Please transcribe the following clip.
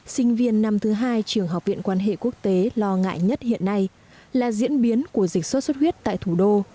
sinh viên năm thứ hai trường học viện quan hệ quốc tế lo ngại nhất hiện nay là diễn biến của dịch sốt xuất huyết tại thủ đô